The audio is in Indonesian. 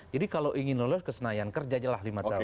jadi kalau ingin lolos ke senayan kerjajalah lima tahun